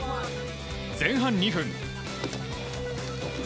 前半２分。